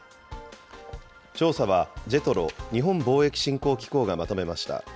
調査はＪＥＴＲＯ・日本貿易振興機構がまとめました。